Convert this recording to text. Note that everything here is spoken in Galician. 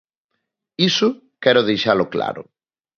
Iso quero deixalo claro.